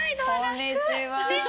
こんにちは。